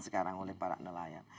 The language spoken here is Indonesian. sekarang oleh para nelayan